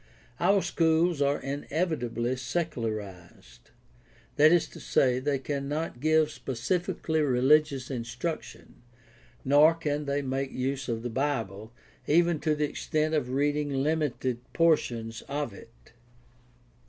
Our schools are ineyitably "secularized"; that is to say, they cannot give specifically religious instruction, nor can they make use of the Bible, even to the extent of reading limited portions of it.